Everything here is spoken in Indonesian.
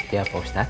iya pak ustadz